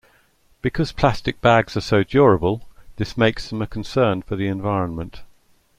Because plastic bags are so durable, this makes them a concern for the environment.